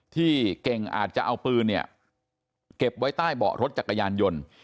ที่เก่งอาจจะเอาปืนเนี่ยเก็บไว้ใต้เบาะรถจักรยานยนต์